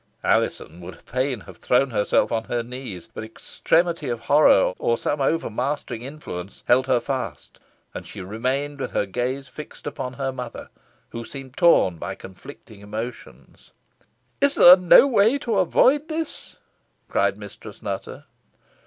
Alizon would fain have thrown herself on her knees, but extremity of horror, or some overmastering influence, held her fast; and she remained with her gaze fixed upon her mother, who seemed torn by conflicting emotions. "Is there no way to avoid this?" cried Mistress Nutter.